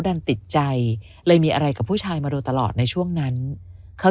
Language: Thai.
ดันติดใจเลยมีอะไรกับผู้ชายมาโดยตลอดในช่วงนั้นเขา